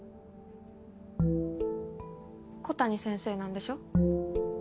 小谷先生なんでしょ？